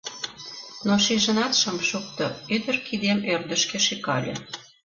Но шижынат шым шукто, ӱдыр кидем ӧрдыжкӧ шӱкале.